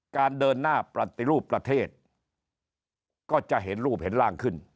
การเดินหน้าปฏิรูปประเทศก็จะเห็นรูปเห็นร่างขึ้น